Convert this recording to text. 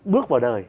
bước vào đời